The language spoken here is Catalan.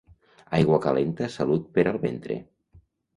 Aigua calenta salut per al ventre.